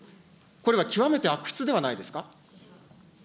これは極めて悪質ではないですか。